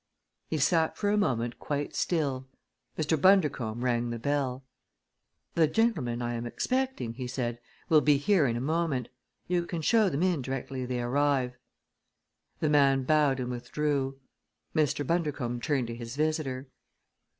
He sat for a moment quite still. Mr. Bundercombe rang the bell. "The gentlemen I am expecting," he said, "will be here in a moment. You can show them in directly they arrive." The man bowed and withdrew. Mr. Bundercombe turned to his visitor.